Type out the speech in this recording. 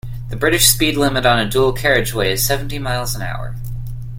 The British speed limit on a dual carriageway is seventy miles an hour